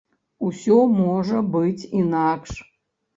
Усё можа быць інакш.